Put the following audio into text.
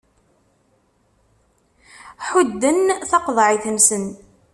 Ḥudden taqeḍεit-nsen.